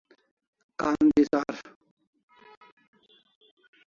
Ka'ndisar